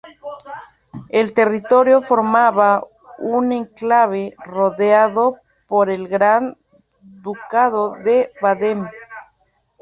El territorio formaba un enclave rodeado por el Gran Ducado de Baden.